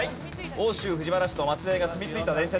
奥州藤原氏の末裔が住みついた伝説。